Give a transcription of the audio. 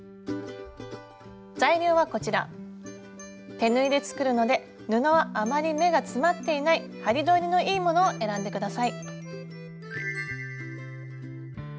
手縫いで作るので布はあまり目が詰まっていない針通りのいいものを選んで下さい。